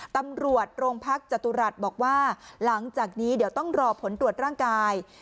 ตำรวจโรงพักจตุรัสบอกว่าหลังจากนี้เดี๋ยวต้องรอผลตรวจร่างกาย